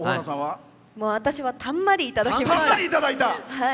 私は、たんまりいただきました。